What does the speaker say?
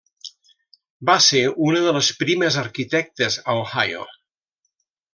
Va ser una de les primes arquitectes a Ohio.